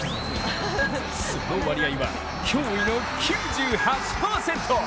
その割合は驚異の９８％。